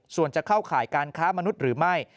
ส่วนจะเข้าข่ายการค้ามนุษย์หรือไม่